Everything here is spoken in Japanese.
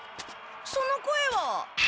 その声は。